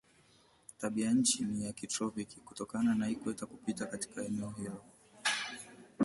Tabianchi ni ya kitropiki kutokana na ikweta kupita katikati ya eneo hilo.